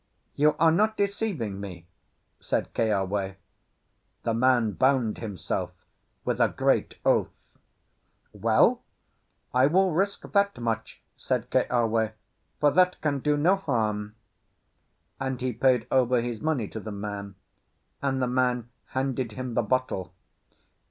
"You are not deceiving me?" said Keawe. The man bound himself with a great oath. "Well, I will risk that much," said Keawe, "for that can do no harm." And he paid over his money to the man, and the man handed him the bottle.